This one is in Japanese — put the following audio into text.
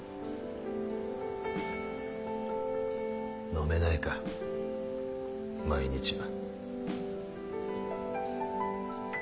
飲めないか毎日は。